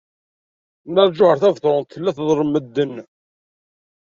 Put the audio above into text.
Nna Lǧuheṛ Tabetṛunt tella tḍellem medden.